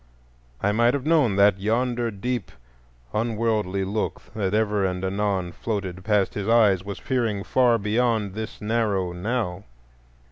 I might have known that yonder deep unworldly look that ever and anon floated past his eyes was peering far beyond this narrow Now.